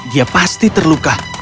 dia pasti terluka